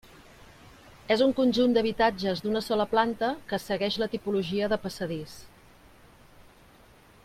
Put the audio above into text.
És un conjunt d'habitatges d'una sola planta que segueix la tipologia de passadís.